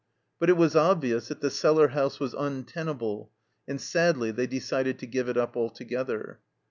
But it was obvious that the cellar house was untenable, and sadly they decided to give it up altogether.